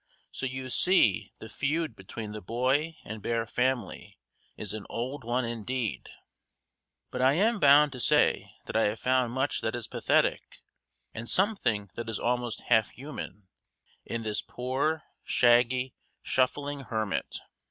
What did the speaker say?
So you see the feud between the boy and bear family is an old one indeed. But I am bound to say that I have found much that is pathetic, and something that is almost half human, in this poor, shaggy, shuffling hermit.